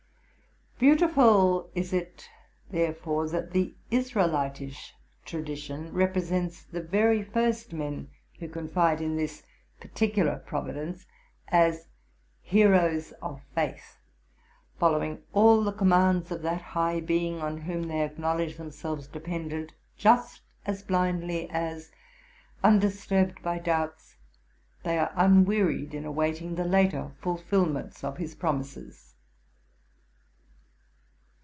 Beautiful is it, therefore, that the Israelitish tradition rep resents the very first men who confide in this particular providence as heroes of faith, following all the commands of that high Being on whom they acknowledge themselves dependent, just as 'blindly as, undisturbed by doubts, they are unwearied in awaiting the later fulfilments of his promises.